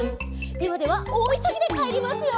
「ではではおおいそぎでかえりますよ」